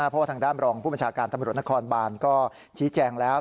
เพราะว่าทางด้านรองผู้บัญชาการตำรวจนครบานก็ชี้แจงแล้ว